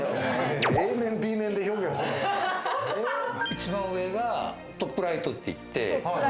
一番上がトップライトって言って。